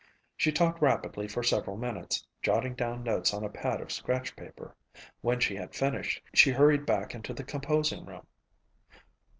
She talked rapidly for several minutes, jotting down notes on a pad of scratch paper. When she had finished, she hurried back into the composing room.